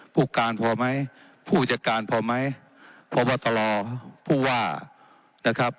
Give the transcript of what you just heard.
ผู้การพอไหมผู้จัดการพอไหมพบตรผู้ว่านะครับ